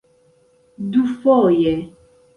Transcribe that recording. dufoje